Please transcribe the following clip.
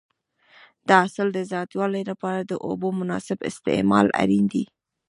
د حاصل د زیاتوالي لپاره د اوبو مناسب استعمال اړین دی.